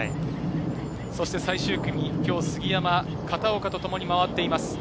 最終組、今日、杉山は片岡とともに回っています。